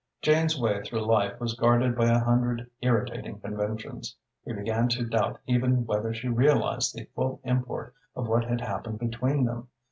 Jane's way through life was guarded by a hundred irritating conventions. He began to doubt even whether she realised the full import of what had happened between them.